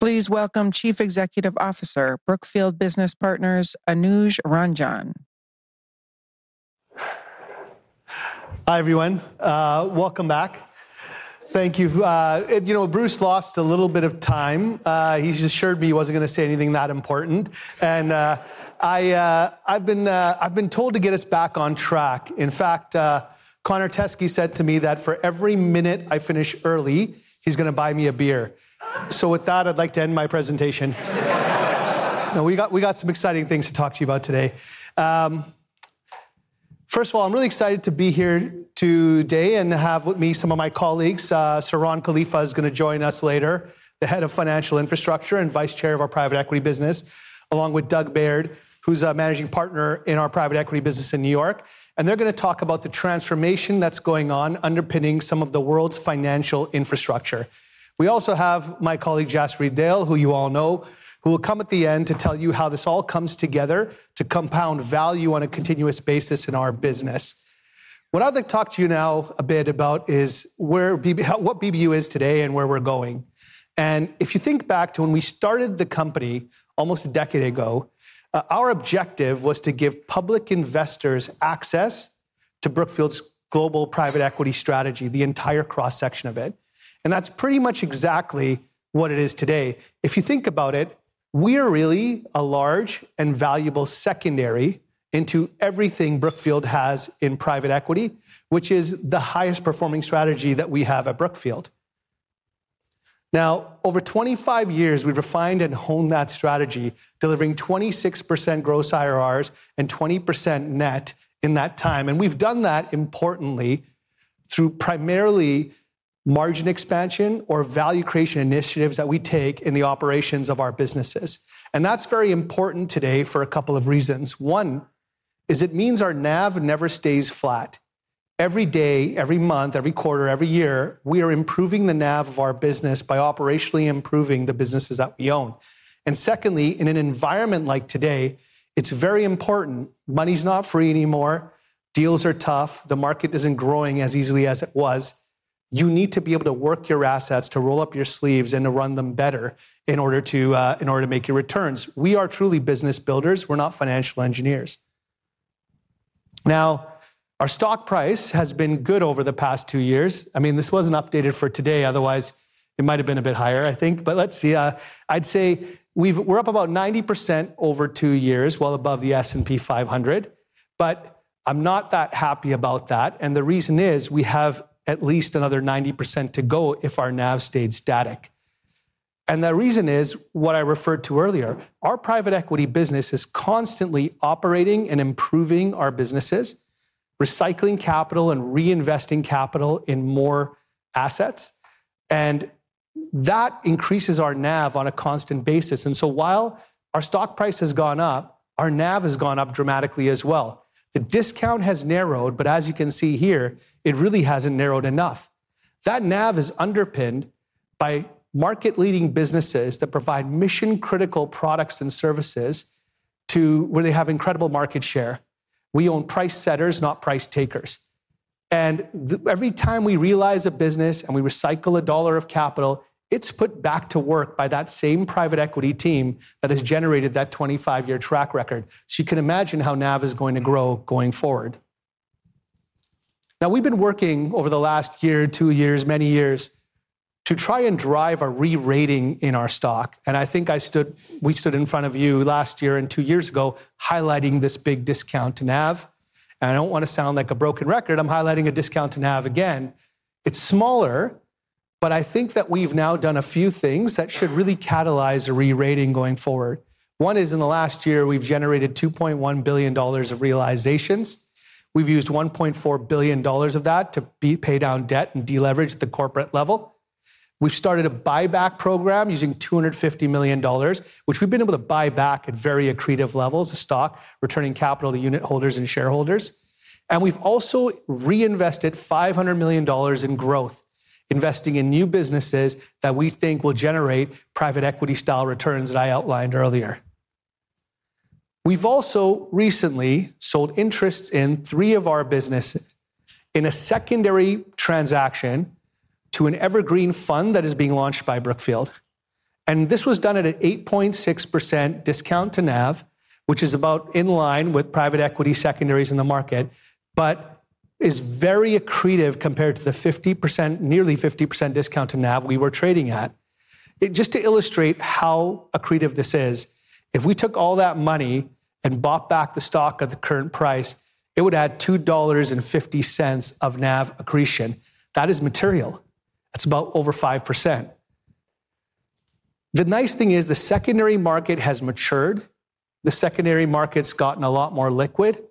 Please welcome Chief Executive Officer, Brookfield Business Partners, Anuj Ranjan. Hi, everyone. Welcome back. Thank you. You know, Bruce lost a little bit of time. He assured me he wasn't going to say anything that important. I've been told to get us back on track. In fact, Connor Teskey said to me that for every minute I finish early, he's going to buy me a beer. With that, I'd like to end my presentation. No, we got some exciting things to talk to you about today. First of all, I'm really excited to be here today and have with me some of my colleagues. Siron Khalifa is going to join us later, the Head of Financial Infrastructure and Vice Chair of our Private Equity Business, along with Doug Baird, who's a Managing Partner in our Private Equity Business in New York. They're going to talk about the transformation that's going on underpinning some of the world's financial infrastructure. We also have my colleague, Jaspreet Dehl, who you all know, who will come at the end to tell you how this all comes together to compound value on a continuous basis in our business. What I'd like to talk to you now a bit about is what BBU is today and where we're going. If you think back to when we started the company almost a decade ago, our objective was to give public investors access to Brookfield's global private equity strategy, the entire cross-section of it. That's pretty much exactly what it is today. If you think about it, we are really a large and valuable secondary into everything Brookfield has in private equity, which is the highest performing strategy that we have at Brookfield. Now, over 25 years, we refined and honed that strategy, delivering 26% gross IRRs and 20% net in that time. We've done that importantly through primarily margin expansion or value creation initiatives that we take in the operations of our businesses. That's very important today for a couple of reasons. One is it means our NAV never stays flat. Every day, every month, every quarter, every year, we are improving the NAV of our business by operationally improving the businesses that we own. Secondly, in an environment like today, it's very important. Money's not free anymore. Deals are tough. The market isn't growing as easily as it was. You need to be able to work your assets to roll up your sleeves and to run them better in order to make your returns. We are truly business builders. We're not financial engineers. Our stock price has been good over the past two years. I mean, this wasn't updated for today. Otherwise, it might have been a bit higher, I think. Let's see. I'd say we're up about 90% over two years, well above the S&P 500. I'm not that happy about that. The reason is we have at least another 90% to go if our NAV stays static. That reason is what I referred to earlier. Our private equity business is constantly operating and improving our businesses, recycling capital and reinvesting capital in more assets. That increases our NAV on a constant basis. While our stock price has gone up, our NAV has gone up dramatically as well. The discount has narrowed, but as you can see here, it really hasn't narrowed enough. That NAV is underpinned by market-leading businesses that provide mission-critical products and services to where they have incredible market share. We own price setters, not price takers. Every time we realize a business and we recycle a dollar of capital, it's put back to work by that same private equity team that has generated that 25-year track record. You can imagine how NAV is going to grow going forward. We've been working over the last year, two years, many years to try and drive a re-rating in our stock. I think we stood in front of you last year and two years ago highlighting this big discount to NAV. I don't want to sound like a broken record. I'm highlighting a discount to NAV again. It's smaller, but I think that we've now done a few things that should really catalyze a re-rating going forward. One is in the last year, we've generated $2.1 billion of realizations. We've used $1.4 billion of that to pay down debt and deleverage the corporate level. We've started a buyback program using $250 million, which we've been able to buy back at very accretive levels of stock, returning capital to unitholders and shareholders. We've also reinvested $500 million in growth, investing in new businesses that we think will generate private equity-style returns that I outlined earlier. We've also recently sold interests in three of our businesses in a secondary transaction to an evergreen fund that is being launched by Brookfield. This was done at an 8.6% discount to NAV, which is about in line with private equity secondaries in the market, but is very accretive compared to the 50%, nearly 50% discount to NAV we were trading at. Just to illustrate how accretive this is, if we took all that money and bought back the stock at the current price, it would add $2.50 of NAV accretion. That is material. That's about over 5%. The nice thing is the secondary market has matured. The secondary market's gotten a lot more liquid.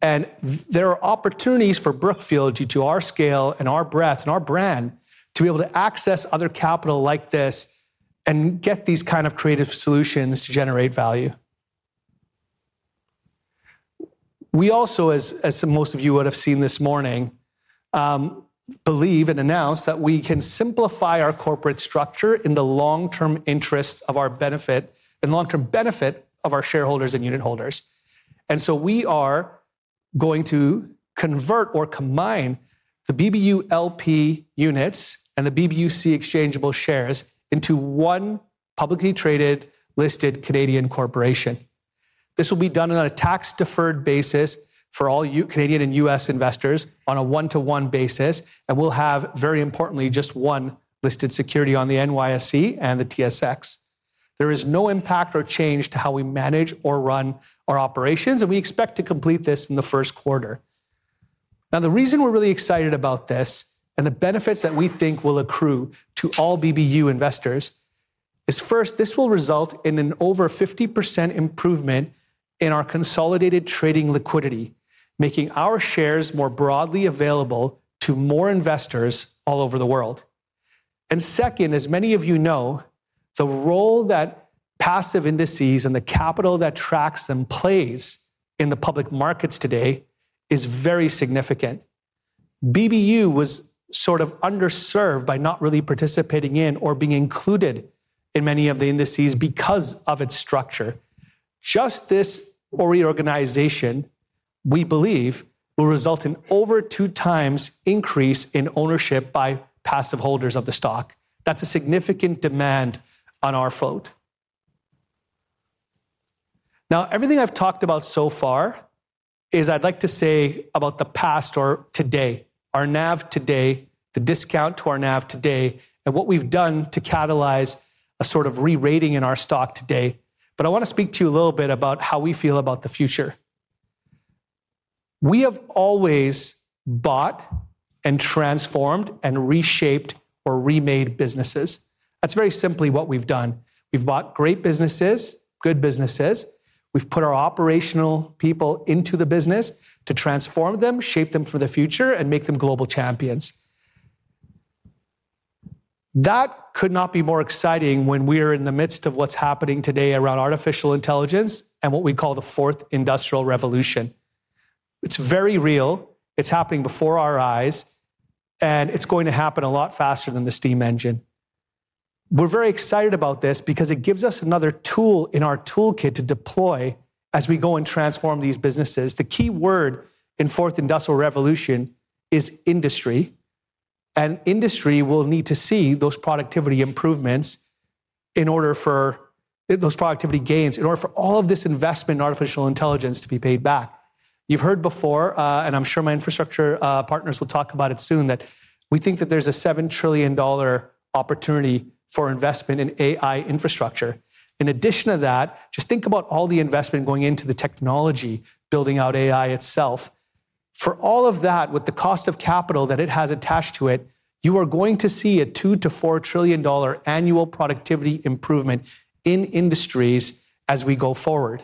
There are opportunities for Brookfield due to our scale and our breadth and our brand to be able to access other capital like this and get these kind of creative solutions to generate value. We also, as most of you would have seen this morning, believe and announce that we can simplify our corporate structure in the long-term interest of our benefit and long-term benefit of our shareholders and unit holders. We are going to convert or combine the BBULP units and the BBUC exchangeable shares into one publicly traded listed Canadian corporation. This will be done on a tax-deferred basis for all Canadian and U.S. investors on a one-to-one basis. We'll have, very importantly, just one listed security on the NYSE and the TSX. There is no impact or change to how we manage or run our operations. We expect to complete this in the first quarter. The reason we're really excited about this and the benefits that we think will accrue to all BBU investors is, first, this will result in an over 50% improvement in our consolidated trading liquidity, making our shares more broadly available to more investors all over the world. Second, as many of you know, the role that passive indices and the capital that tracks them plays in the public markets today is very significant. BBU was sort of underserved by not really participating in or being included in many of the indices because of its structure. Just this reorganization, we believe, will result in over two times increase in ownership by passive holders of the stock. That's a significant demand on our float. Everything I've talked about so far is I'd like to say about the past or today, our NAV today, the discount to our NAV today, and what we've done to catalyze a sort of re-rating in our stock today. I want to speak to you a little bit about how we feel about the future. We have always bought and transformed and reshaped or remade businesses. That's very simply what we've done. We've bought great businesses, good businesses. We've put our operational people into the business to transform them, shape them for the future, and make them global champions. That could not be more exciting when we are in the midst of what's happening today around artificial intelligence and what we call the fourth industrial revolution. It's very real. It's happening before our eyes. It's going to happen a lot faster than the steam engine. We're very excited about this because it gives us another tool in our toolkit to deploy as we go and transform these businesses. The key word in the fourth industrial revolution is industry. Industry will need to see those productivity improvements in order for those productivity gains, in order for all of this investment in artificial intelligence to be paid back. You've heard before, and I'm sure my infrastructure partners will talk about it soon, that we think that there's a $7 trillion opportunity for investment in AI infrastructure. In addition to that, just think about all the investment going into the technology, building out AI itself. For all of that, with the cost of capital that it has attached to it, you are going to see a $2 to $4 trillion annual productivity improvement in industries as we go forward.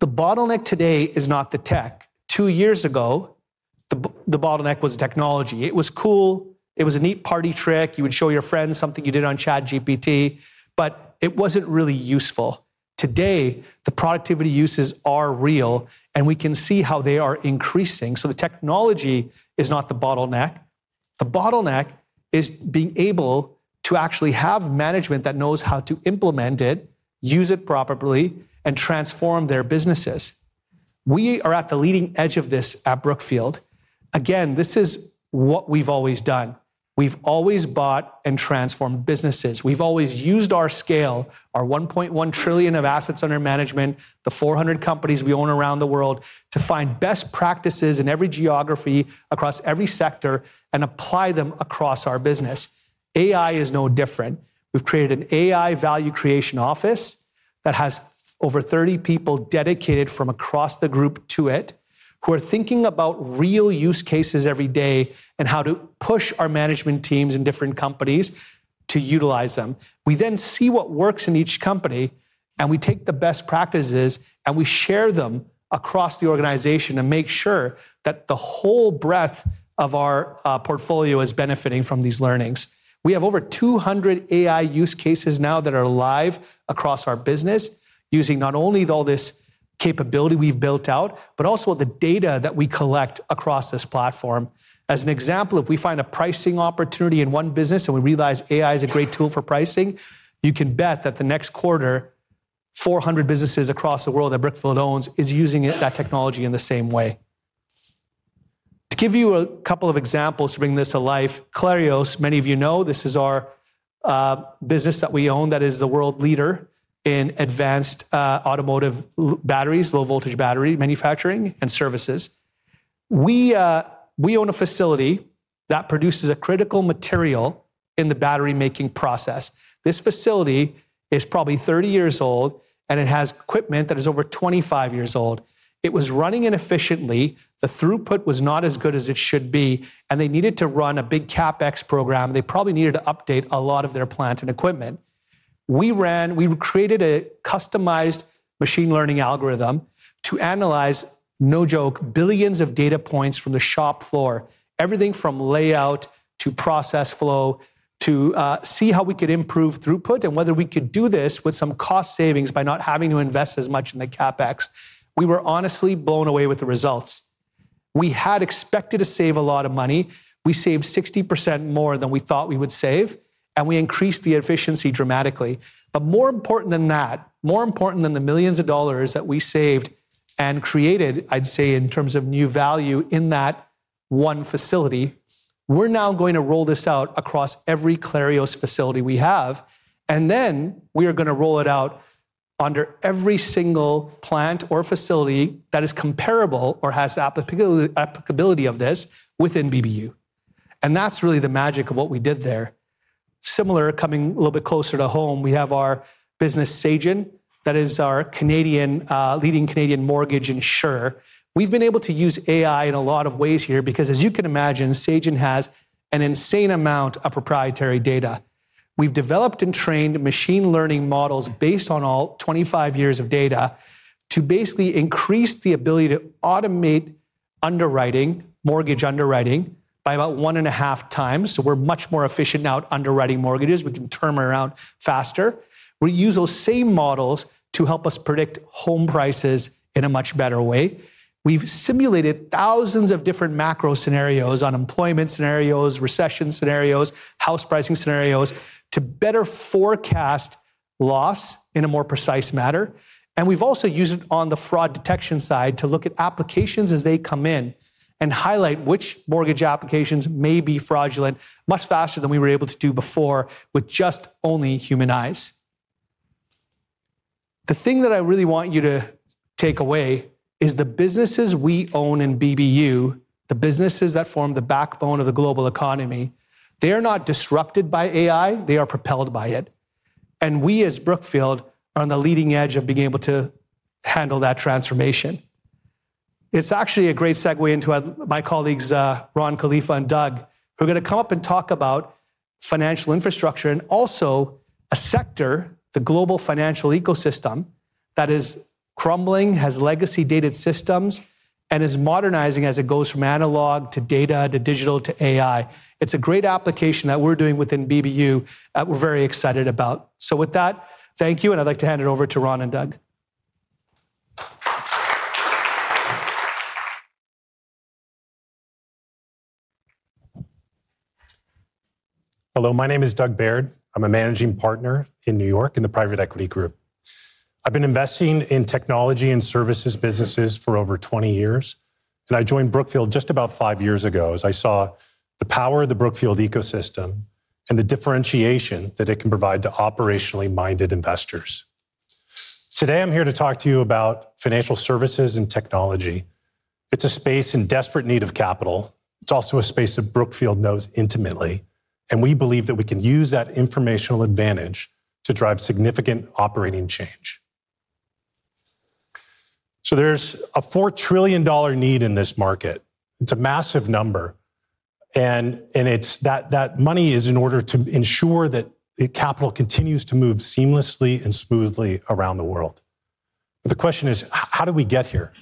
The bottleneck today is not the tech. Two years ago, the bottleneck was the technology. It was cool. It was a neat party trick. You would show your friends something you did on ChatGPT, but it wasn't really useful. Today, the productivity uses are real, and we can see how they are increasing. The technology is not the bottleneck. The bottleneck is being able to actually have management that knows how to implement it, use it properly, and transform their businesses. We are at the leading edge of this at Brookfield Business Partners. This is what we've always done. We've always bought and transformed businesses. We've always used our scale, our $1.1 trillion of assets under management, the 400 companies we own around the world, to find best practices in every geography, across every sector, and apply them across our business. AI is no different. We've created an AI value creation office that has over 30 people dedicated from across the group to it, who are thinking about real use cases every day and how to push our management teams in different companies to utilize them. We then see what works in each company, and we take the best practices and we share them across the organization and make sure that the whole breadth of our portfolio is benefiting from these learnings. We have over 200 AI use cases now that are live across our business using not only all this capability we've built out, but also the data that we collect across this platform. As an example, if we find a pricing opportunity in one business and we realize AI is a great tool for pricing, you can bet that the next quarter, 400 businesses across the world that Brookfield owns are using that technology in the same way. To give you a couple of examples to bring this to life, Clarios, many of you know, this is our business that we own that is the world leader in advanced automotive batteries, low-voltage battery manufacturing and services. We own a facility that produces a critical material in the battery-making process. This facility is probably 30 years old, and it has equipment that is over 25 years old. It was running inefficiently. The throughput was not as good as it should be, and they needed to run a big CapEx program. They probably needed to update a lot of their plants and equipment. We created a customized machine learning algorithm to analyze, no joke, billions of data points from the shop floor, everything from layout to process flow to see how we could improve throughput and whether we could do this with some cost savings by not having to invest as much in the CapEx. We were honestly blown away with the results. We had expected to save a lot of money. We saved 60% more than we thought we would save, and we increased the efficiency dramatically. More important than that, more important than the millions of dollars that we saved and created, I'd say, in terms of new value in that one facility, we're now going to roll this out across every Clarios facility we have. We are going to roll it out under every single plant or facility that is comparable or has applicability of this within BBU. That is really the magic of what we did there. Similar, coming a little bit closer to home, we have our business, Sagen, that is our leading Canadian mortgage insurer. We've been able to use AI in a lot of ways here because, as you can imagine, Sagen has an insane amount of proprietary data. We've developed and trained machine learning models based on all 25 years of data to basically increase the ability to automate underwriting, mortgage underwriting, by about 1.5 times. We're much more efficient now at underwriting mortgages. We can turn around faster. We use those same models to help us predict home prices in a much better way. We've simulated thousands of different macro scenarios on employment scenarios, recession scenarios, house pricing scenarios to better forecast loss in a more precise manner. We have also used it on the fraud detection side to look at applications as they come in and highlight which mortgage applications may be fraudulent much faster than we were able to do before with just only human eyes. The thing that I really want you to take away is the businesses we own in BBU, the businesses that form the backbone of the global economy, they are not disrupted by AI. They are propelled by it. We, as Brookfield, are on the leading edge of being able to handle that transformation. It's actually a great segue into my colleagues, Siron Khalifa and Doug, who are going to come up and talk about financial infrastructure and also a sector, the global financial ecosystem, that is crumbling, has legacy-dated systems, and is modernizing as it goes from analog to data to digital to AI. It's a great application that we're doing within BBU that we're very excited about. Thank you. I would like to hand it over to Siron and Doug. Hello. My name is Doug Baird. I'm a Managing Partner in New York in the Private Equity Group. I've been investing in technology and services businesses for over 20 years. I joined Brookfield just about five years ago as I saw the power of the Brookfield ecosystem and the differentiation that it can provide to operationally minded investors. Today, I'm here to talk to you about financial services and technology. It's a space in desperate need of capital. It's also a space that Brookfield knows intimately. We believe that we can use that informational advantage to drive significant operating change. There's a $4 trillion need in this market. It's a massive number, and that money is in order to ensure that the capital continues to move seamlessly and smoothly around the world. The question is, how do we get here?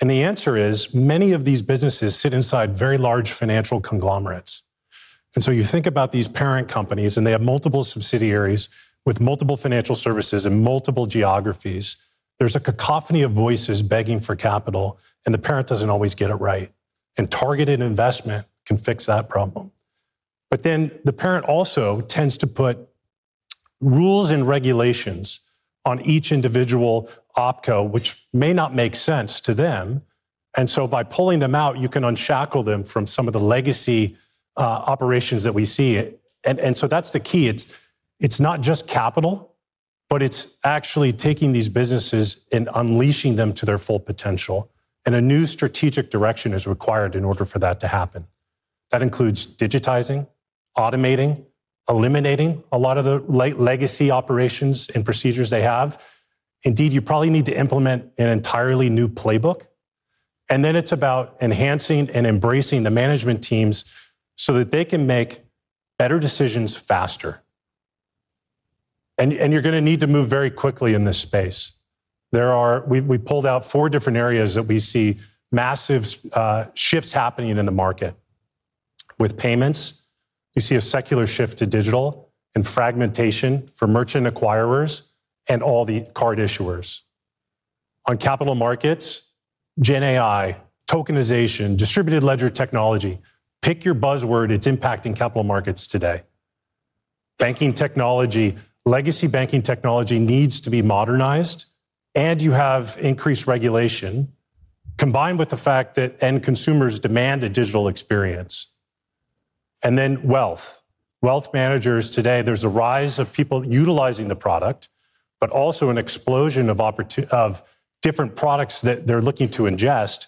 The answer is, many of these businesses sit inside very large financial conglomerates. You think about these parent companies, and they have multiple subsidiaries with multiple financial services in multiple geographies. There's a cacophony of voices begging for capital, and the parent doesn't always get it right. Targeted investment can fix that problem. The parent also tends to put rules and regulations on each individual opco, which may not make sense to them. By pulling them out, you can unshackle them from some of the legacy operations that we see. That's the key. It's not just capital, but it's actually taking these businesses and unleashing them to their full potential. A new strategic direction is required in order for that to happen. That includes digitizing, automating, eliminating a lot of the legacy operations and procedures they have. Indeed, you probably need to implement an entirely new playbook. It's about enhancing and embracing the management teams so that they can make better decisions faster. You're going to need to move very quickly in this space. We pulled out four different areas that we see massive shifts happening in the market. With payments, we see a secular shift to digital and fragmentation for merchant acquirers and all the card issuers. On capital markets, Gen AI, tokenization, distributed ledger technology, pick your buzzword, it's impacting capital markets today. Banking technology, legacy banking technology needs to be modernized. You have increased regulation combined with the fact that end consumers demand a digital experience. Then wealth. Wealth managers today, there's a rise of people utilizing the product, but also an explosion of different products that they're looking to ingest.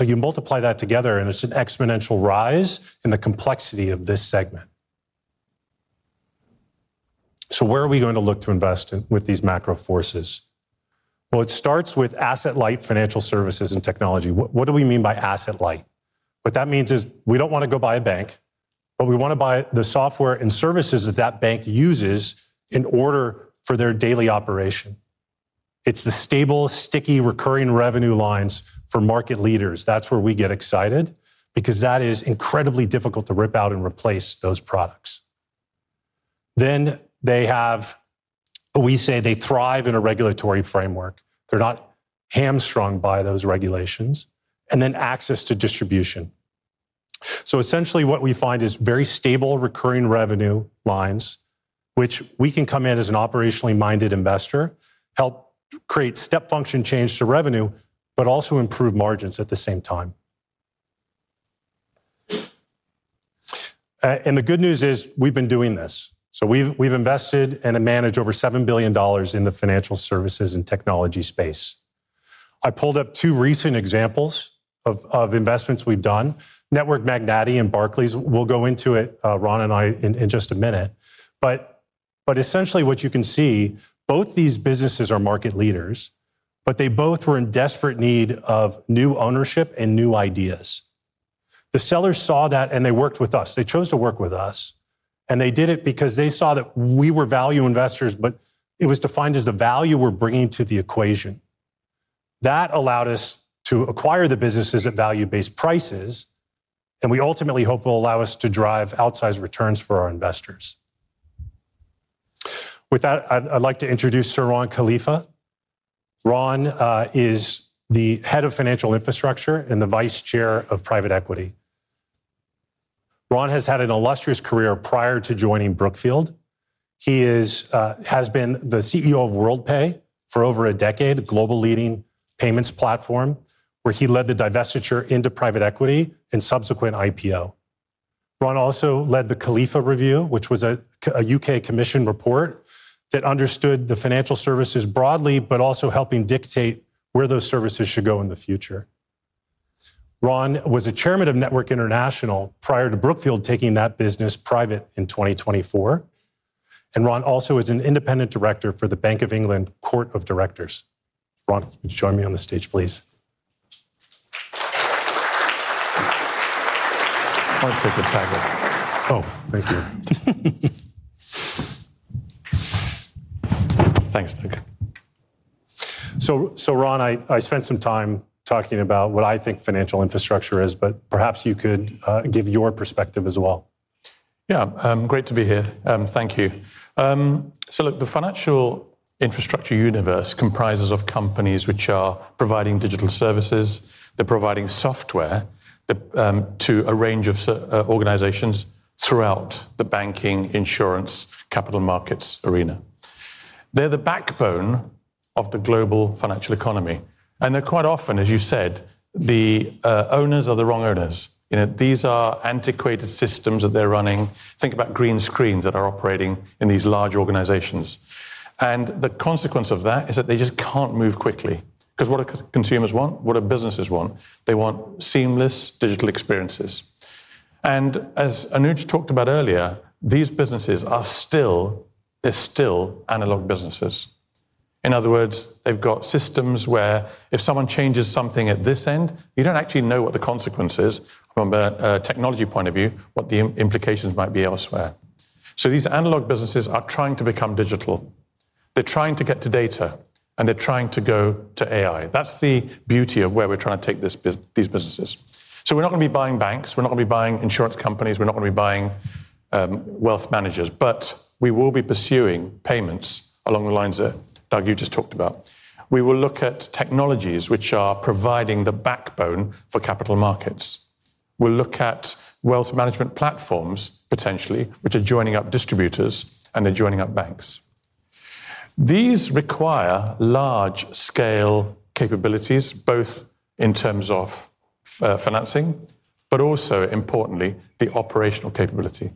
You multiply that together, and it's an exponential rise in the complexity of this segment. Where are we going to look to invest with these macro forces? It starts with asset-light financial services and technology. What do we mean by asset-light? What that means is we don't want to go buy a bank, but we want to buy the software and services that that bank uses in order for their daily operation. It's the stable, sticky, recurring revenue lines for market leaders. That's where we get excited because that is incredibly difficult to rip out and replace those products. They thrive in a regulatory framework. They're not hamstrung by those regulations. Access to distribution is also key. Essentially, what we find is very stable, recurring revenue lines, which we can come in as an operationally minded investor, help create step function change to revenue, but also improve margins at the same time. The good news is we've been doing this. We've invested and managed over $7 billion in the financial services and technology space. I pulled up two recent examples of investments we've done, Network International, Magnati, and Barclays. We'll go into it, Ron and I, in just a minute. Essentially, what you can see, both these businesses are market leaders. They both were in desperate need of new ownership and new ideas. The sellers saw that, and they worked with us. They chose to work with us. They did it because they saw that we were value investors, but it was defined as the value we're bringing to the equation. That allowed us to acquire the businesses at value-based prices. We ultimately hope it will allow us to drive outsized returns for our investors. With that, I'd like to introduce Siron Khalifa. Ron is the Head of Financial Infrastructure and the Vice Chair of Private Equity. Ron has had an illustrious career prior to joining Brookfield. He has been the CEO of Worldpay for over a decade, a global leading payments platform where he led the divestiture into private equity and subsequent IPO. Ron also led the Khalifa Review, which was a UK commission report that understood the financial services broadly, but also helping dictate where those services should go in the future. Ron was a chairman of Network International prior to Brookfield taking that business private in 2024. Ron also is an independent director for the Bank of England Court of Directors. Ron, would you join me on the stage, please? I want to take a tag of both. Thank you. Thanks, Doug. Ron, I spent some time talking about what I think financial infrastructure is, but perhaps you could give your perspective as well. Yeah, great to be here. Thank you. The financial infrastructure universe comprises companies which are providing digital services. They're providing software to a range of organizations throughout the banking, insurance, capital markets arena. They're the backbone of the global financial economy. They're quite often, as you said, the owners are the wrong owners. These are antiquated systems that they're running. Think about green screens that are operating in these large organizations. The consequence of that is that they just can't move quickly because what do consumers want? What do businesses want? They want seamless digital experiences. As Anuj talked about earlier, these businesses are still, they're still analog businesses. In other words, they've got systems where if someone changes something at this end, you don't actually know what the consequences are from a technology point of view, what the implications might be elsewhere. These analog businesses are trying to become digital. They're trying to get to data. They're trying to go to AI. That's the beauty of where we're trying to take these businesses. We're not going to be buying banks. We're not going to be buying insurance companies. We're not going to be buying wealth managers. We will be pursuing payments along the lines that Doug, you just talked about. We will look at technologies which are providing the backbone for capital markets. We'll look at wealth management platforms, potentially, which are joining up distributors. They're joining up banks. These require large-scale capabilities, both in terms of financing, but also, importantly, the operational capability.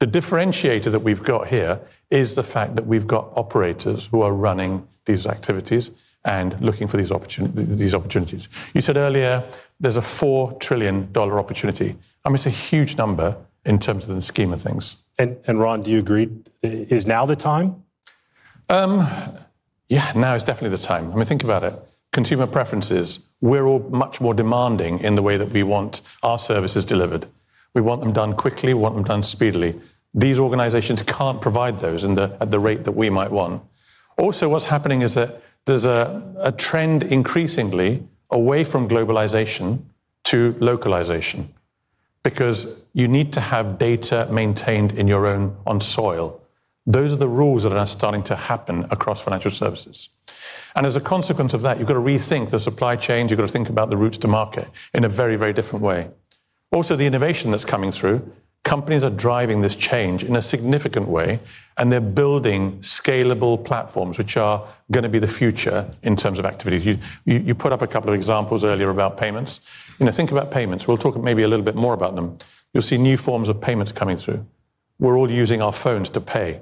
The differentiator that we've got here is the fact that we've got operators who are running these activities and looking for these opportunities. You said earlier, there's a $4 trillion opportunity. It's a huge number in terms of the scheme of things. Ron, do you agree, is now the time? Yeah, now is definitely the time. I mean, think about it. Consumer preferences, we're all much more demanding in the way that we want our services delivered. We want them done quickly. We want them done speedily. These organizations can't provide those at the rate that we might want. Also, what's happening is that there's a trend increasingly away from globalization to localization because you need to have data maintained in your own soil. Those are the rules that are starting to happen across financial services. As a consequence of that, you've got to rethink the supply chains. You've got to think about the routes to market in a very, very different way. Also, the innovation that's coming through, companies are driving this change in a significant way. They're building scalable platforms, which are going to be the future in terms of activities. You put up a couple of examples earlier about payments. Think about payments. We'll talk maybe a little bit more about them. You'll see new forms of payments coming through. We're all using our phones to pay.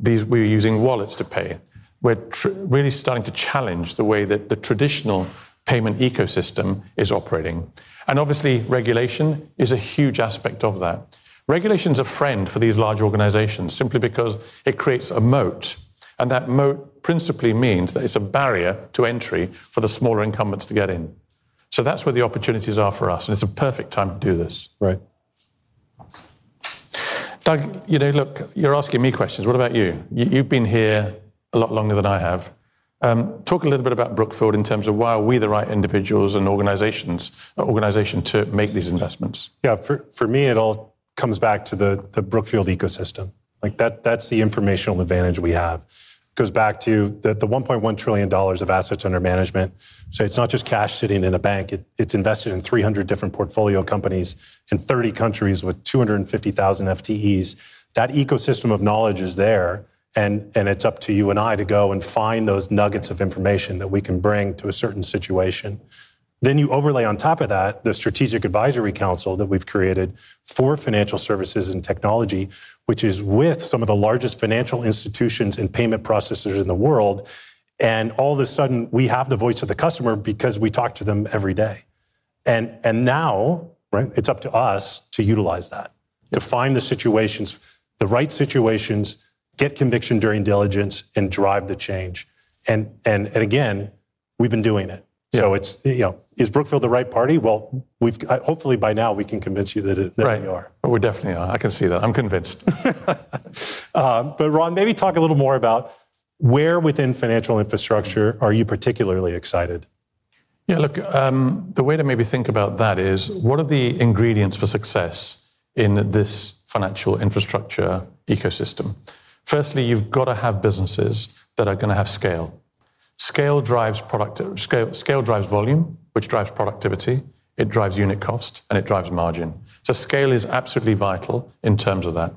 We're using wallets to pay. We're really starting to challenge the way that the traditional payment ecosystem is operating. Obviously, regulation is a huge aspect of that. Regulation is a friend for these large organizations simply because it creates a moat. That moat principally means that it's a barrier to entry for the smaller incumbents to get in. That's where the opportunities are for us. It's a perfect time to do this. Right. Doug, you're asking me questions. What about you? You've been here a lot longer than I have. Talk a little bit about Brookfield in terms of why are we the right individuals and organization to make these investments? Yeah, for me, it all comes back to the Brookfield ecosystem. That's the informational advantage we have. It goes back to the $1.1 trillion of assets under management. It's not just cash sitting in a bank. It's invested in 300 different portfolio companies in 30 countries with 250,000 FTEs. That ecosystem of knowledge is there, and it's up to you and I to go and find those nuggets of information that we can bring to a certain situation. You overlay on top of that the Strategic Advisory Council that we've created for financial services and technology, which is with some of the largest financial institutions and payment processors in the world. All of a sudden, we have the voice of the customer because we talk to them every day. Now, it's up to us to utilize that, to find the situations, the right situations, get conviction during diligence, and drive the change. Again, we've been doing it. Is Brookfield the right party? Hopefully, by now, we can convince you that we are. We definitely are. I can see that. I'm convinced. Ron, maybe talk a little more about where within financial infrastructure are you particularly excited? Yeah, look, the way to maybe think about that is, what are the ingredients for success in this financial infrastructure ecosystem? Firstly, you've got to have businesses that are going to have scale. Scale drives volume, which drives productivity. It drives unit cost, and it drives margin. Scale is absolutely vital in terms of that.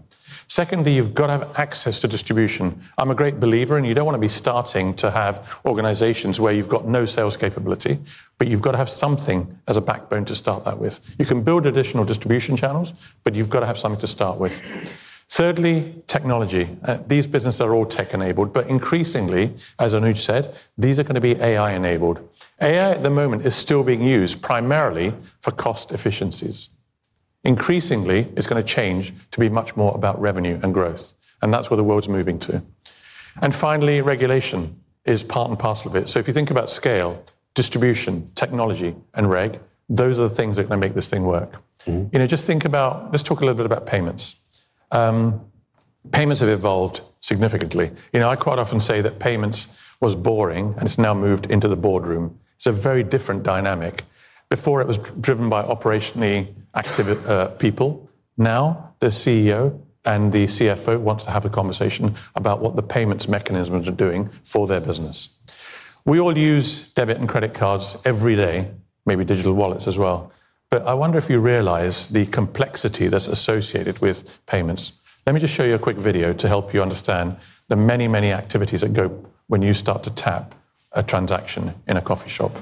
Secondly, you've got to have access to distribution. I'm a great believer, and you don't want to be starting to have organizations where you've got no sales capability, but you've got to have something as a backbone to start that with. You can build additional distribution channels, but you've got to have something to start with. Thirdly, technology. These businesses are all tech-enabled, but increasingly, as Anuj said, these are going to be AI-enabled. AI at the moment is still being used primarily for cost efficiencies. Increasingly, it's going to change to be much more about revenue and growth. That's where the world's moving to. Finally, regulation is part and parcel of it. If you think about scale, distribution, technology, and reg, those are the things that are going to make this thing work. Just think about, let's talk a little bit about payments. Payments have evolved significantly. I quite often say that payments was boring, and it's now moved into the boardroom. It's a very different dynamic. Before, it was driven by operationally active people. Now, the CEO and the CFO want to have a conversation about what the payments mechanisms are doing for their business. We all use debit and credit cards every day, maybe digital wallets as well. I wonder if you realize the complexity that's associated with payments. Let me just show you a quick video to help you understand the many, many activities that go when you start to tap a transaction in a coffee shop.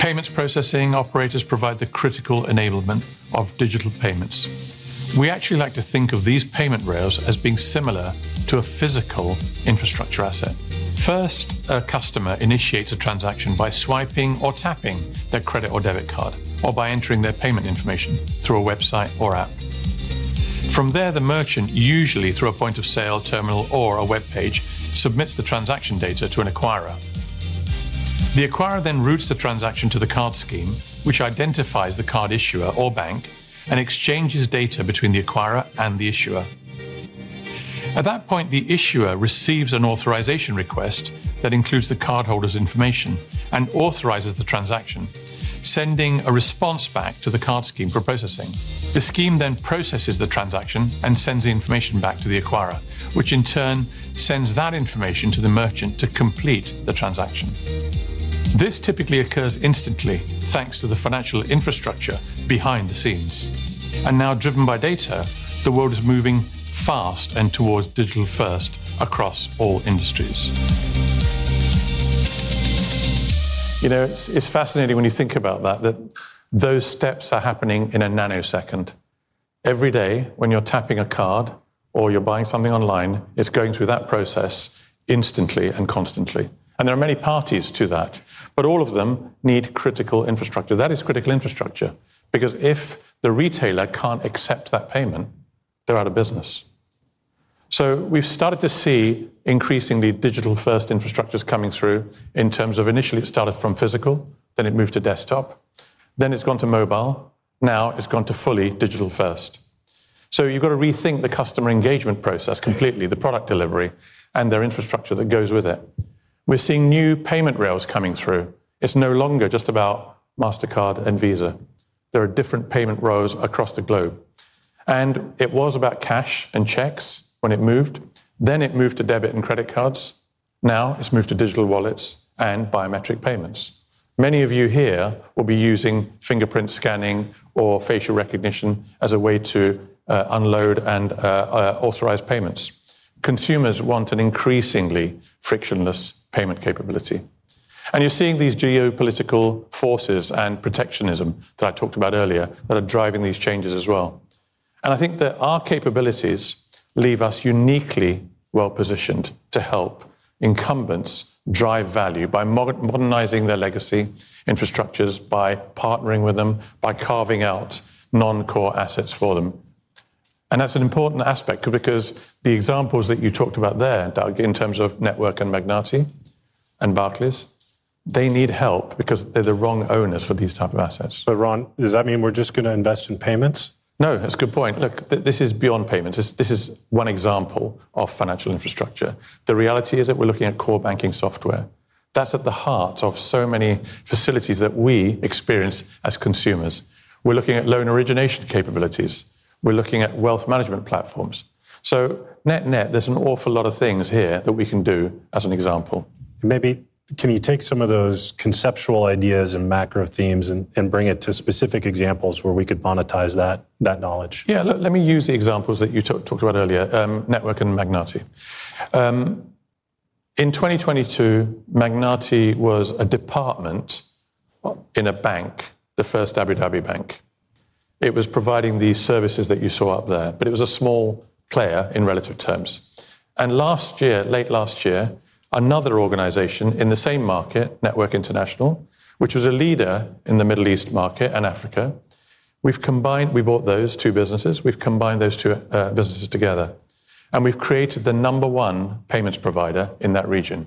Payments processing operators provide the critical enablement of digital payments. We actually like to think of these payment rails as being similar to a physical infrastructure asset. First, a customer initiates a transaction by swiping or tapping their credit or debit card or by entering their payment information through a website or app. From there, the merchant, usually through a point of sale terminal or a web page, submits the transaction data to an acquirer. The acquirer then routes the transaction to the card scheme, which identifies the card issuer or bank and exchanges data between the acquirer and the issuer. At that point, the issuer receives an authorization request that includes the cardholder's information and authorizes the transaction, sending a response back to the card scheme for processing. The scheme then processes the transaction and sends the information back to the acquirer, which in turn sends that information to the merchant to complete the transaction. This typically occurs instantly, thanks to the financial infrastructure behind the scenes. Now, driven by data, the world is moving fast and towards digital-first across all industries. It's fascinating when you think about that, that those steps are happening in a nanosecond. Every day, when you're tapping a card or you're buying something online, it's going through that process instantly and constantly. There are many parties to that. All of them need critical infrastructure. That is critical infrastructure because if the retailer can't accept that payment, they're out of business. We've started to see increasingly digital-first infrastructures coming through in terms of initially, it started from physical. Then it moved to desktop. Then it's gone to mobile. Now, it's gone to fully digital-first. You've got to rethink the customer engagement process completely, the product delivery, and their infrastructure that goes with it. We're seeing new payment rails coming through. It's no longer just about MasterCard and Visa. There are different payment rails across the globe. It was about cash and checks when it moved. Then it moved to debit and credit cards. Now, it's moved to digital wallets and biometric payments. Many of you here will be using fingerprint scanning or facial recognition as a way to unload and authorize payments. Consumers want an increasingly frictionless payment capability. You're seeing these geopolitical forces and protectionism that I talked about earlier that are driving these changes as well. I think that our capabilities leave us uniquely well-positioned to help incumbents drive value by modernizing their legacy infrastructures, by partnering with them, by carving out non-core assets for them. That's an important aspect because the examples that you talked about there, Doug, in terms of Network International and Magnati and Barclays, they need help because they're the wrong owners for these types of assets. Ron, does that mean we're just going to invest in payments? No, that's a good point. Look, this is beyond payments. This is one example of financial infrastructure. The reality is that we're looking at core banking software. That's at the heart of so many facilities that we experience as consumers. We're looking at loan origination capabilities and wealth management platforms. Net-net, there's an awful lot of things here that we can do as an example. Maybe can you take some of those conceptual ideas and macro themes and bring it to specific examples where we could monetize that knowledge? Yeah, let me use the examples that you talked about earlier, Network International and Magnati. In 2022, Magnati was a department in a bank, the First Abu Dhabi Bank. It was providing these services that you saw up there, but it was a small player in relative terms. Late last year, another organization in the same market, Network International, which was a leader in the Middle East and Africa, we bought those two businesses. We've combined those two businesses together and we've created the number one payments provider in that region.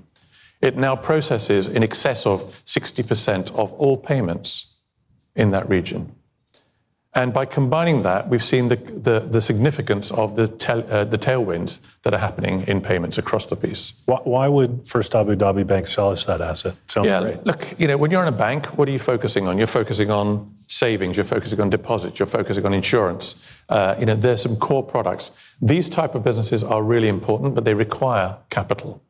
It now processes in excess of 60% of all payments in that region. By combining that, we've seen the significance of the tailwinds that are happening in payments across the piece. Why would First Abu Dhabi Bank sell us that asset? Yeah, look, you know when you're in a bank, what are you focusing on? You're focusing on savings, you're focusing on deposits, you're focusing on insurance. You know there are some core products. These types of businesses are really important, but they require capital.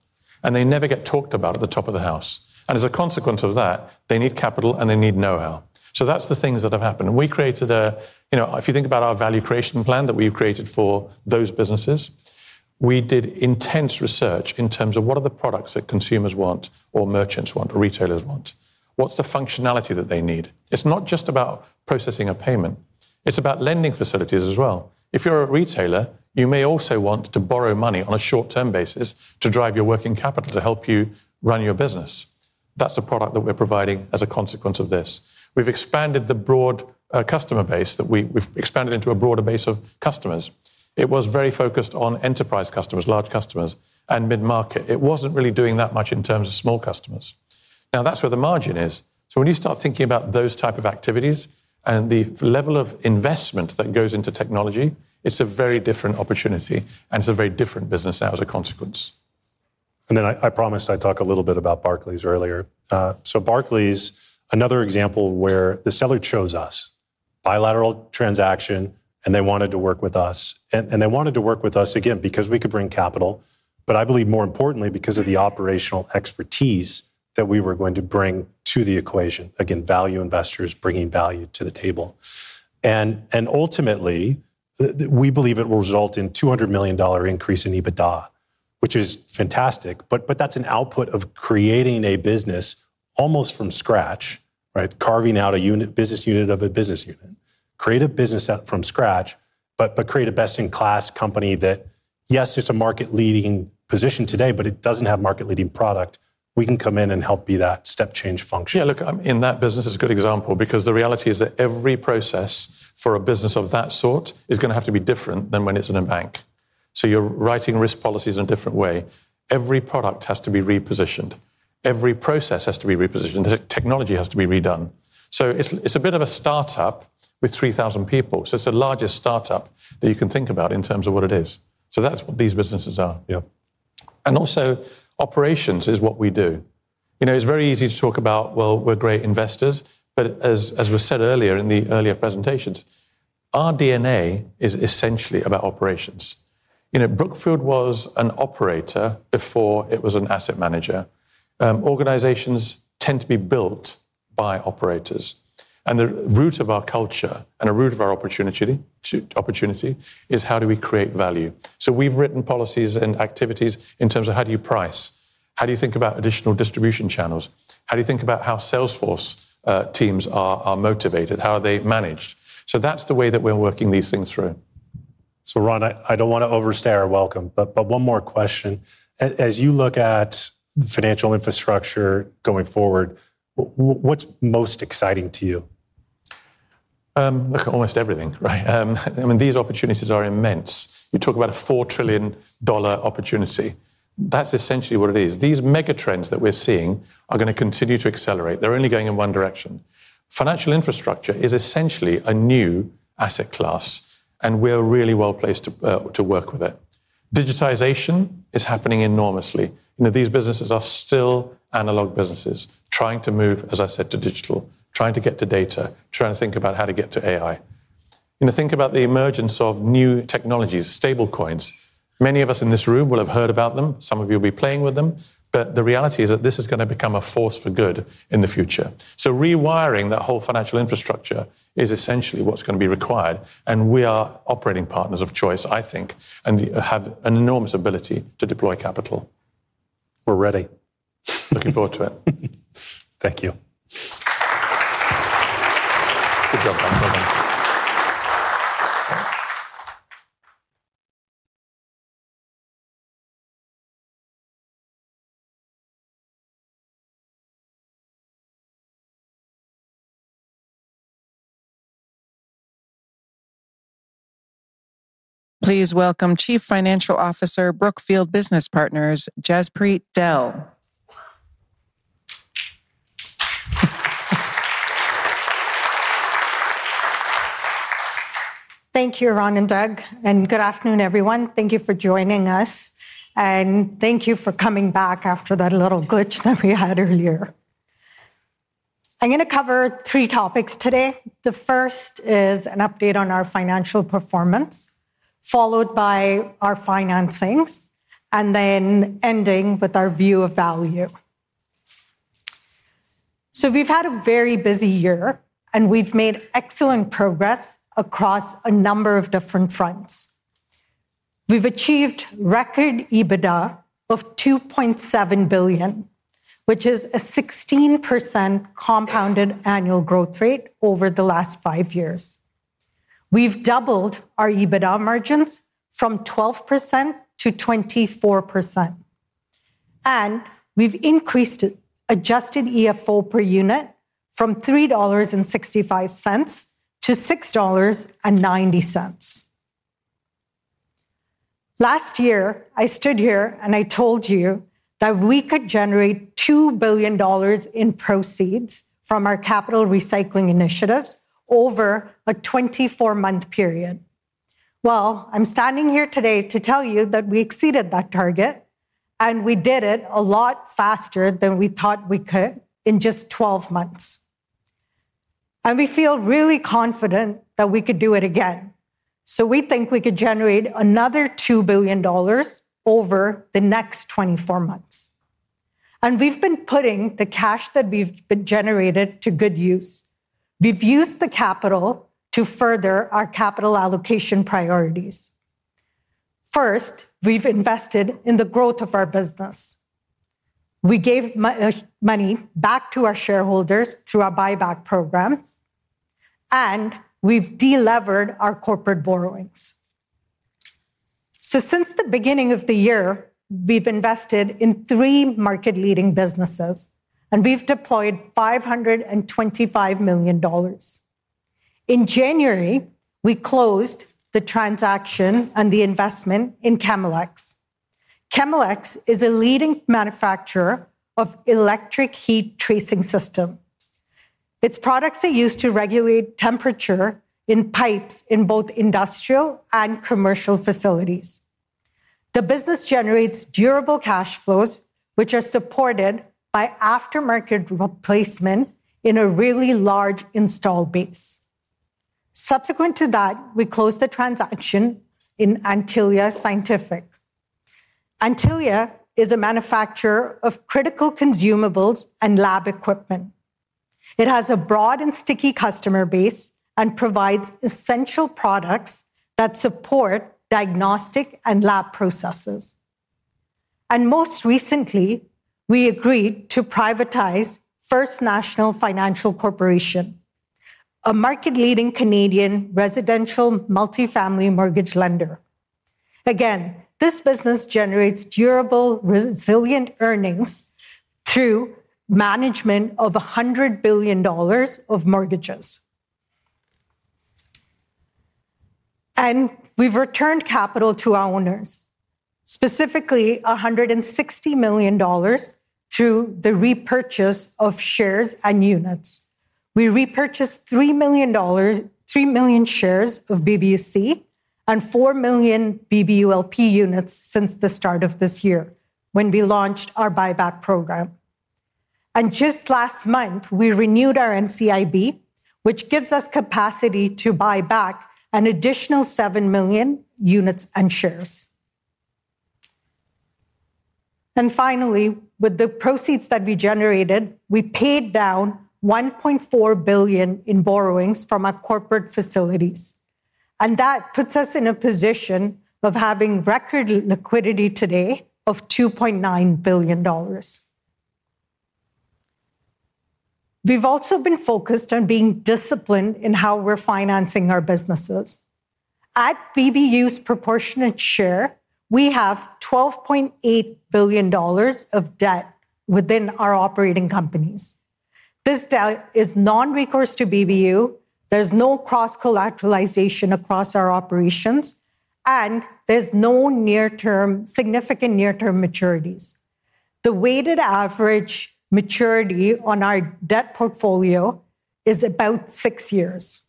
They never get talked about at the top of the house. As a consequence of that, they need capital, and they need know-how. That's the things that have happened. If you think about our value creation plan that we've created for those businesses, we did intense research in terms of what are the products that consumers want or merchants want or retailers want. What's the functionality that they need? It's not just about processing a payment, it's about lending facilities as well. If you're a retailer, you may also want to borrow money on a short-term basis to drive your working capital to help you run your business. That's a product that we're providing as a consequence of this. We've expanded the broad customer base that we've expanded into a broader base of customers. It was very focused on enterprise customers, large customers, and mid-market. It wasn't really doing that much in terms of small customers. Now, that's where the margin is. When you start thinking about those types of activities and the level of investment that goes into technology, it's a very different opportunity. It's a very different business now as a consequence. I promised I'd talk a little bit about Barclays earlier. Barclays is another example where the seller chose us, a bilateral transaction, and they wanted to work with us. They wanted to work with us, again, because we could bring capital, but I believe more importantly because of the operational expertise that we were going to bring to the equation, value investors bringing value to the table. Ultimately, we believe it will result in a $200 million increase in EBITDA, which is fantastic. That's an output of creating a business almost from scratch, carving out a business unit of a business unit. Create a business from scratch, but create a best-in-class company that, yes, it's a market-leading position today, but it doesn't have a market-leading product. We can come in and help be that step change function. Yeah, look, in that business, it's a good example because the reality is that every process for a business of that sort is going to have to be different than when it's in a bank. You're writing risk policies in a different way. Every product has to be repositioned. Every process has to be repositioned. The technology has to be redone. It's a bit of a startup with 3,000 people. It's the largest startup that you can think about in terms of what it is. That's what these businesses are. Yeah. Operations is what we do. You know it's very easy to talk about, we're great investors. As was said earlier in the earlier presentations, our DNA is essentially about operations. Brookfield was an operator before it was an asset manager. Organizations tend to be built by operators. The root of our culture and the root of our opportunity is how do we create value? We've written policies and activities in terms of how do you price? How do you think about additional distribution channels? How do you think about how Salesforce teams are motivated? How are they managed? That's the way that we're working these things through. Ron, I don't want to overstay our welcome, but one more question. As you look at the financial infrastructure going forward, what's most exciting to you? Look, almost everything, right? I mean, these opportunities are immense. You talk about a $4 trillion opportunity. That's essentially what it is. These megatrends that we're seeing are going to continue to accelerate. They're only going in one direction. Financial infrastructure is essentially a new asset class, and we're really well placed to work with it. Digitization is happening enormously. These businesses are still analog businesses trying to move, as I said, to digital, trying to get to data, trying to think about how to get to AI. Think about the emergence of new technologies, stablecoins. Many of us in this room will have heard about them. Some of you will be playing with them. The reality is that this is going to become a force for good in the future. Rewiring that whole financial infrastructure is essentially what's going to be required. We are operating partners of choice, I think, and have an enormous ability to deploy capital. We're ready. Looking forward to it. Thank you. Good job, Ron. Well done. Please welcome Chief Financial Officer, Brookfield Business Partners, Jaspreet Dehl. Thank you, Ron and Doug. Good afternoon, everyone. Thank you for joining us, and thank you for coming back after that little glitch that we had earlier. I'm going to cover three topics today. The first is an update on our financial performance, followed by our financings, and then ending with our view of value. We've had a very busy year, and we've made excellent progress across a number of different fronts. We've achieved record EBITDA of $2.7 billion, which is a 16% compounded annual growth rate over the last five years. We've doubled our EBITDA margins from 12% to 24%, and we've increased adjusted EFO per unit from $3.65 to $6.90. Last year, I stood here and I told you that we could generate $2 billion in proceeds from our capital recycling initiatives over a 24-month period. I'm standing here today to tell you that we exceeded that target, and we did it a lot faster than we thought we could in just 12 months. We feel really confident that we could do it again. We think we could generate another $2 billion over the next 24 months. We've been putting the cash that we've generated to good use. We've used the capital to further our capital allocation priorities. First, we've invested in the growth of our business. We gave money back to our shareholders through our buyback programs, and we've delevered our corporate borrowings. Since the beginning of the year, we've invested in three market-leading businesses, and we've deployed $525 million. In January, we closed the transaction and the investment in Chemelex. Chemelex is a leading manufacturer of electric heat tracing systems. Its products are used to regulate temperature in pipes in both industrial and commercial facilities. The business generates durable cash flows, which are supported by aftermarket replacement in a really large install base. Subsequent to that, we closed the transaction in Antilia Scientific. Antilia is a manufacturer of critical consumables and lab equipment. It has a broad and sticky customer base and provides essential products that support diagnostic and lab processes. Most recently, we agreed to privatize First National Financial Corporation, a market-leading Canadian residential multifamily mortgage lender. This business generates durable, resilient earnings through management of $100 billion of mortgages. We've returned capital to our owners, specifically $160 million through the repurchase of shares and units. We repurchased $3 million shares of BBUC and 4 million BBULP units since the start of this year when we launched our buyback program. Just last month, we renewed our NCIB, which gives us capacity to buy back an additional 7 million units and shares. Finally, with the proceeds that we generated, we paid down $1.4 billion in borrowings from our corporate facilities. That puts us in a position of having record liquidity today of $2.9 billion. We've also been focused on being disciplined in how we're financing our businesses. At BBU's proportionate share, we have $12.8 billion of debt within our operating companies. This debt is non-recourse to BBU. There's no cross-collateralization across our operations, and there's no significant near-term maturities. The weighted average maturity on our debt portfolio is about six years.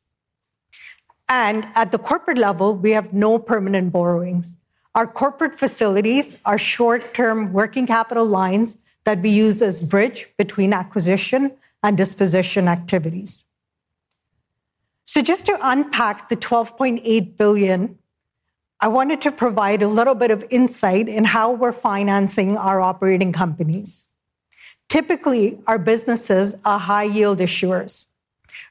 At the corporate level, we have no permanent borrowings. Our corporate facilities are short-term working capital lines that we use as a bridge between acquisition and disposition activities. Just to unpack the $12.8 billion, I wanted to provide a little bit of insight in how we're financing our operating companies. Typically, our businesses are high-yield issuers.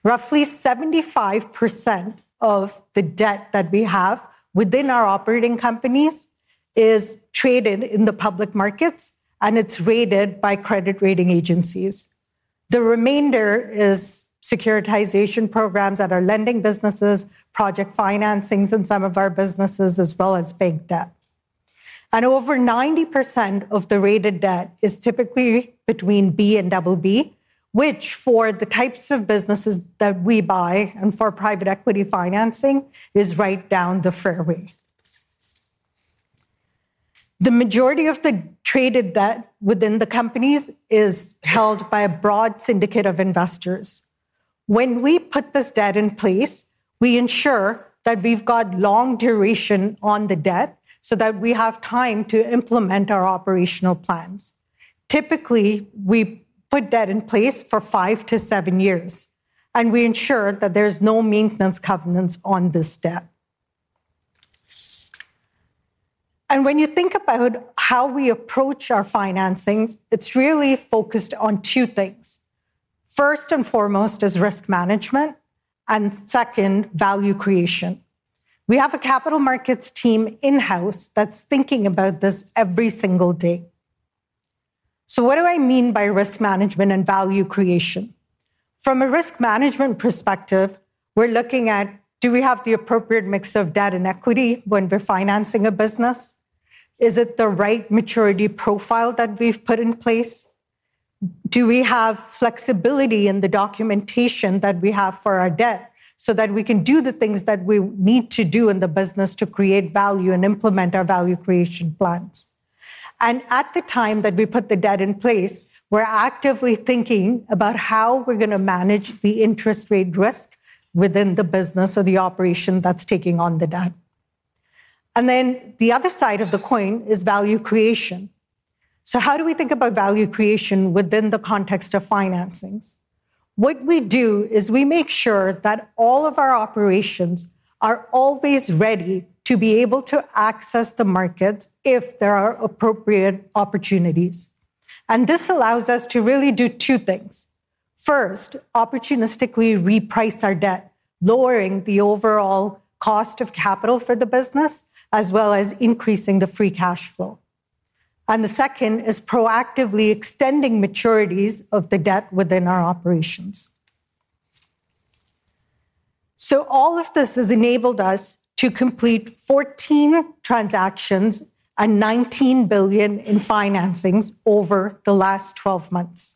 Roughly 75% of the debt that we have within our operating companies is traded in the public markets, and it's rated by credit rating agencies. The remainder is securitization programs that are lending businesses, project financings in some of our businesses, as well as bank debt. Over 90% of the rated debt is typically between B and BB, which for the types of businesses that we buy and for private equity financing is right down the fairway. The majority of the traded debt within the companies is held by a broad syndicate of investors. When we put this debt in place, we ensure that we've got long duration on the debt so that we have time to implement our operational plans. Typically, we put debt in place for five to seven years, and we ensure that there's no maintenance covenants on this debt. When you think about how we approach our financings, it's really focused on two things. First and foremost is risk management, and second, value creation. We have a capital markets team in-house that's thinking about this every single day. What do I mean by risk management and value creation? From a risk management perspective, we're looking at, do we have the appropriate mix of debt and equity when we're financing a business? Is it the right maturity profile that we've put in place? Do we have flexibility in the documentation that we have for our debt so that we can do the things that we need to do in the business to create value and implement our value creation plans? At the time that we put the debt in place, we're actively thinking about how we're going to manage the interest rate risk within the business or the operation that's taking on the debt. The other side of the coin is value creation. How do we think about value creation within the context of financings? What we do is we make sure that all of our operations are always ready to be able to access the markets if there are appropriate opportunities. This allows us to really do two things. First, opportunistically reprice our debt, lowering the overall cost of capital for the business, as well as increasing the free cash flow. The second is proactively extending maturities of the debt within our operations. All of this has enabled us to complete 14 transactions and $19 billion in financings over the last 12 months.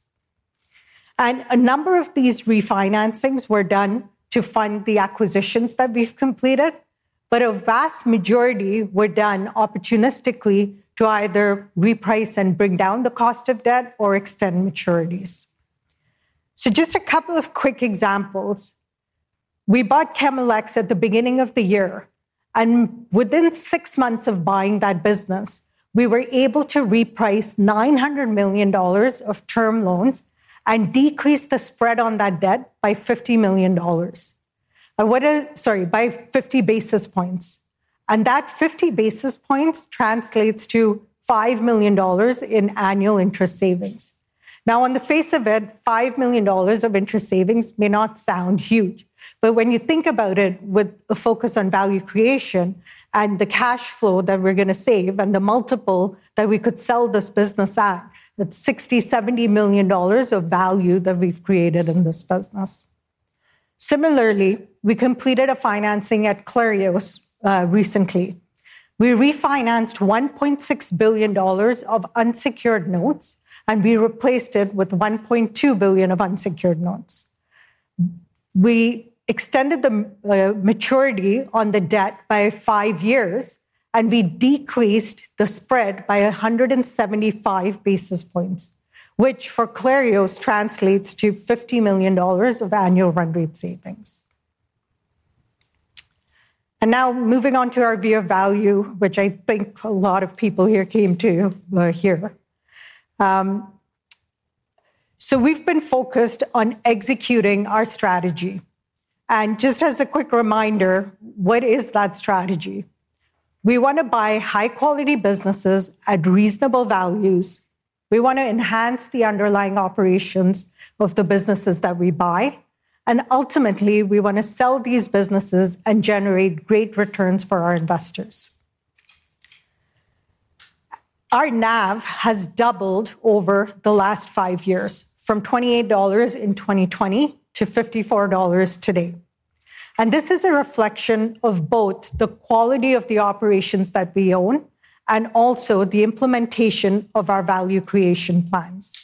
A number of these refinancings were done to fund the acquisitions that we've completed. A vast majority were done opportunistically to either reprice and bring down the cost of debt or extend maturities. Just a couple of quick examples. We bought Chemelex at the beginning of the year. Within six months of buying that business, we were able to reprice $900 million of term loans and decrease the spread on that debt by 50 basis points. That 50 basis points translates to $5 million in annual interest savings. Now, on the face of it, $5 million of interest savings may not sound huge. When you think about it with a focus on value creation and the cash flow that we're going to save and the multiple that we could sell this business at, it's $60 million, $70 million of value that we've created in this business. Similarly, we completed a financing at Clarios recently. We refinanced $1.6 billion of unsecured notes and replaced it with $1.2 billion of unsecured notes. We extended the maturity on the debt by five years and decreased the spread by 175 basis points, which for Clarios translates to $50 million of annual run rate savings. Now, moving on to our view of value, which I think a lot of people here came to hear. We've been focused on executing our strategy. Just as a quick reminder, what is that strategy? We want to buy high-quality businesses at reasonable values. We want to enhance the underlying operations of the businesses that we buy. Ultimately, we want to sell these businesses and generate great returns for our investors. Our NAV has doubled over the last five years, from $28 in 2020 to $54 today. This is a reflection of both the quality of the operations that we own and also the implementation of our value creation plans.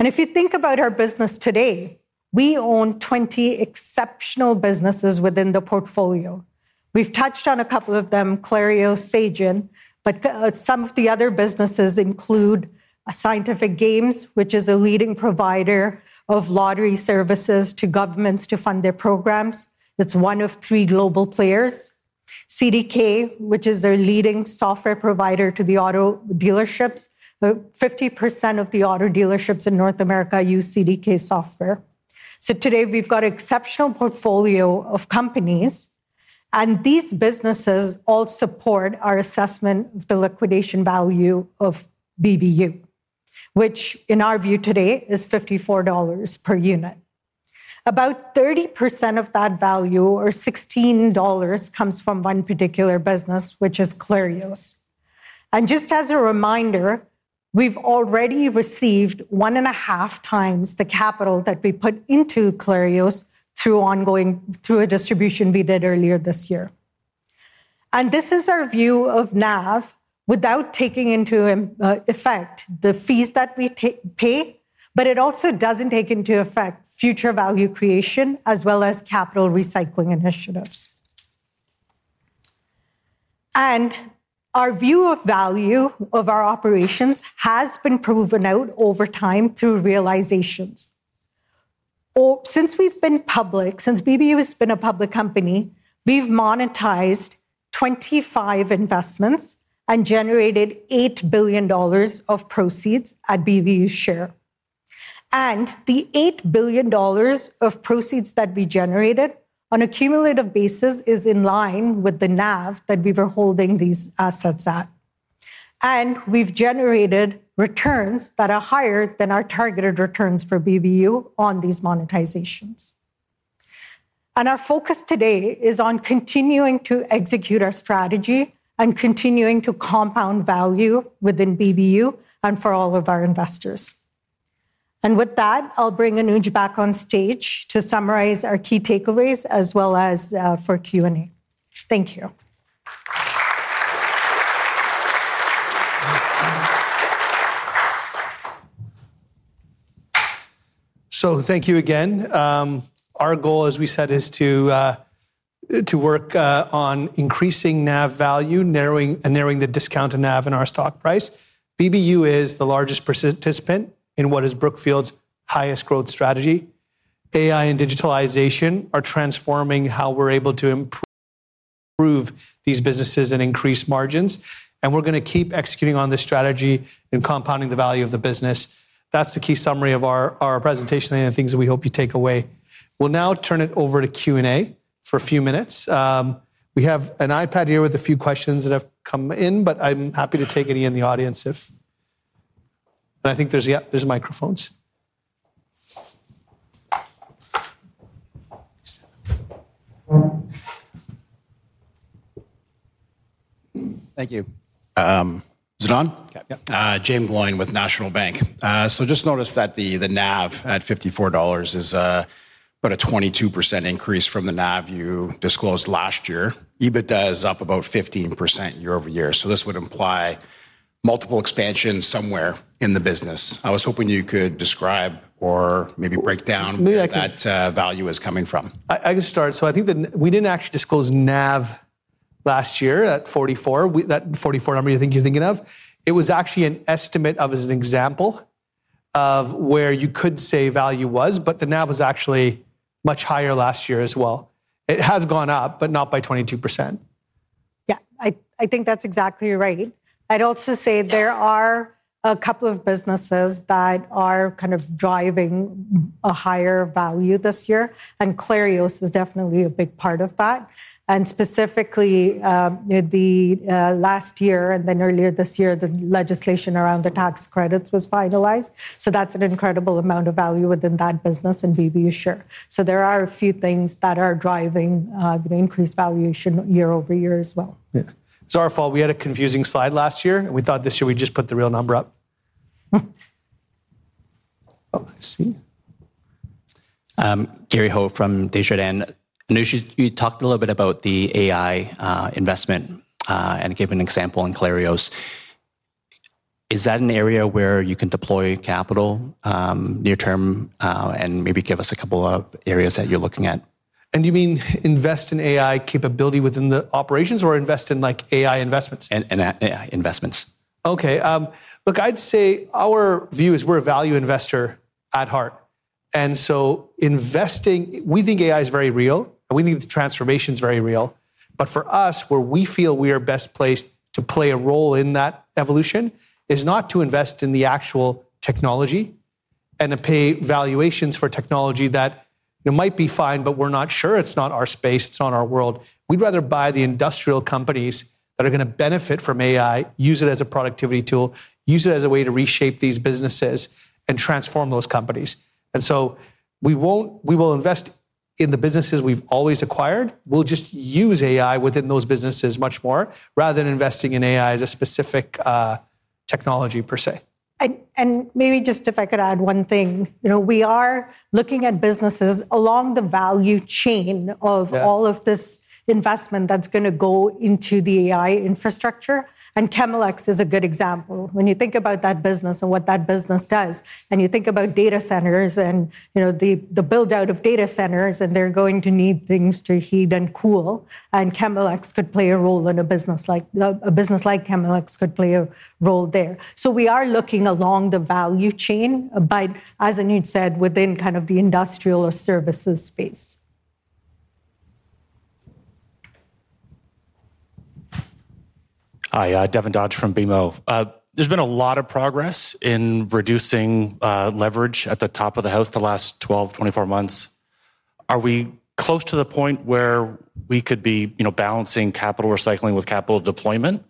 If you think about our business today, we own 20 exceptional businesses within the portfolio. We've touched on a couple of them, Clarios, Sagen, but some of the other businesses include Scientific Games, which is a leading provider of lottery services to governments to fund their programs. It's one of three global players. CDK, which is a leading software provider to the auto dealerships, 50% of the auto dealerships in North America use CDK software. Today, we've got an exceptional portfolio of companies. These businesses all support our assessment of the liquidation value of BBU, which in our view today is $54 per unit. About 30% of that value, or $16, comes from one particular business, which is Clarios. Just as a reminder, we've already received 1.5 times the capital that we put into Clarios through a distribution we did earlier this year. This is our view of NAV without taking into effect the fees that we pay. It also doesn't take into effect future value creation as well as capital recycling initiatives. Our view of value of our operations has been proven out over time through realizations. Since we've been public, since BBU has been a public company, we've monetized 25 investments and generated $8 billion of proceeds at BBU's share. The $8 billion of proceeds that we generated on a cumulative basis is in line with the NAV that we were holding these assets at. We've generated returns that are higher than our targeted returns for BBU on these monetizations. Our focus today is on continuing to execute our strategy and continuing to compound value within BBU and for all of our investors. With that, I'll bring Anuj back on stage to summarize our key takeaways as well as for Q&A. Thank you. Thank you again. Our goal, as we said, is to work on increasing NAV value and narrowing the discounted NAV in our stock price. BBU is the largest participant in what is Brookfield's highest growth strategy. AI and digitalization are transforming how we're able to improve these businesses and increase margins. We're going to keep executing on this strategy and compounding the value of the business. That's the key summary of our presentation and the things that we hope you take away. We'll now turn it over to Q&A for a few minutes. We have an iPad here with a few questions that have come in. I'm happy to take any in the audience. I think there's, yeah, there's microphones. Thank you. Is it on? Yeah. Jane Bling with National Bank. I just notice that the NAV at $54 is about a 22% increase from the NAV you disclosed last year. EBITDA is up about 15% year over year. This would imply multiple expansions somewhere in the business. I was hoping you could describe or maybe break down where that value is coming from. I can start. I think that we didn't actually disclose NAV last year at $44. That $44 number you're thinking of was actually an estimate of, as an example, where you could say value was. The NAV was actually much higher last year as well. It has gone up, but not by 22%. Yeah, I think that's exactly right. I'd also say there are a couple of businesses that are kind of driving a higher value this year. Clarios is definitely a big part of that. Specifically, the last year and then earlier this year, the legislation around the tax credits was finalized. That's an incredible amount of value within that business and BBU share. There are a few things that are driving increased valuation year over year as well. Yeah. It's our fault. We had a confusing slide last year, and we thought this year we just put the real number up. Oh, I see. Gary Ho from Desjardins. Anuj, you talked a little bit about the AI investment and gave an example in Clarios. Is that an area where you can deploy capital near-term and maybe give us a couple of areas that you're looking at? Do you mean invest in AI capability within the operations or invest in like AI investments? In AI investments. OK. Look, I'd say our view is we're a value investor at heart. We think AI is very real, and we think the transformation is very real. For us, where we feel we are best placed to play a role in that evolution is not to invest in the actual technology and to pay valuations for technology that might be fine, but we're not sure. It's not our space. It's not our world. We'd rather buy the industrial companies that are going to benefit from AI, use it as a productivity tool, use it as a way to reshape these businesses, and transform those companies. We will invest in the businesses we've always acquired. We'll just use AI within those businesses much more rather than investing in AI as a specific technology per se. If I could add one thing, we are looking at businesses along the value chain of all of this investment that's going to go into the AI infrastructure. Chemelex is a good example. When you think about that business and what that business does, and you think about data centers and the build-out of data centers, they're going to need things to heat and cool. Chemelex could play a role in a business like Chemelex could play a role there. We are looking along the value chain, but as Anuj said, within kind of the industrial or services space. Hi, Devin Dodge from BMO. There's been a lot of progress in reducing leverage at the top of the house the last 12, 24 months. Are we close to the point where we could be balancing capital recycling with capital deployment?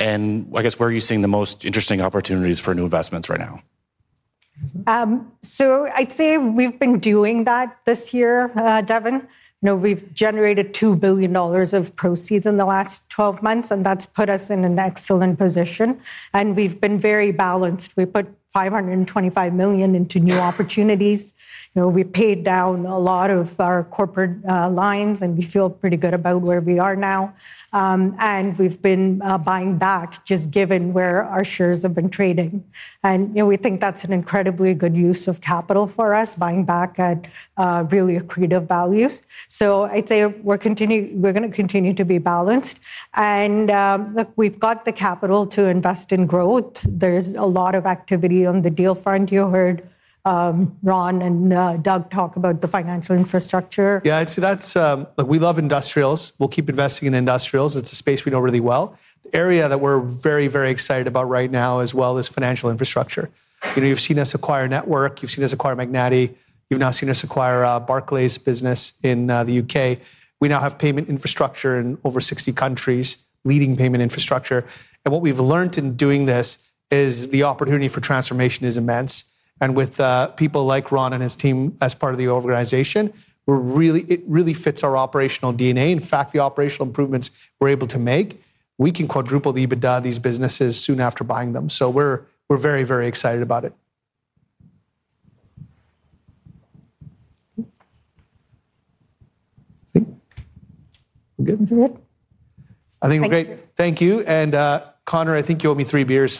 I guess where are you seeing the most interesting opportunities for new investments right now? I'd say we've been doing that this year, Devin. We've generated $2 billion of proceeds in the last 12 months. That's put us in an excellent position. We've been very balanced. We put $525 million into new opportunities. We paid down a lot of our corporate lines. We feel pretty good about where we are now. We've been buying back just given where our shares have been trading. We think that's an incredibly good use of capital for us, buying back at really accretive values. I'd say we're going to continue to be balanced. Look, we've got the capital to invest in growth. There's a lot of activity on the deal front. You heard Anuj and Doug talk about the financial infrastructure. Yeah, so that's we love industrials. We'll keep investing in industrials. It's a space we know really well. Area that we're very, very excited about right now as well is financial infrastructure. You've seen us acquire Network International. You've seen us acquire Magnati. You've now seen us acquire Barclays business in the UK. We now have payment infrastructure in over 60 countries, leading payment infrastructure. What we've learned in doing this is the opportunity for transformation is immense. With people like Siron and his team as part of the organization, it really fits our operational DNA. In fact, the operational improvements we're able to make, we can quadruple the EBITDA of these businesses soon after buying them. We're very, very excited about it. I think we're good. I think we're great. Thank you. Connor, I think you owe me three beers.